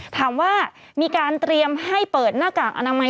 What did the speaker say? ถามว่ามีการเตรียมให้เปิดหน้ากากอนามัย